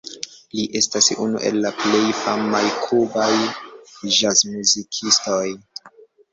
Li estas unu el la plej famaj kubaj ĵazmuzikistoj.